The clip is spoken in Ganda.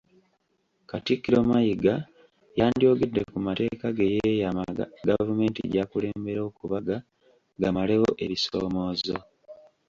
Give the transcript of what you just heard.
Katikkiro Mayiga yandyogedde ku mateeka ge yeeyama Gavumenti gy'akulembera okubaga, gamalewo ebisoomoozo.